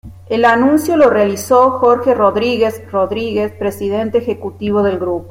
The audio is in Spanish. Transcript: El anuncio lo realizó Jorge Rodríguez Rodriguez presidente ejecutivo del Grupo.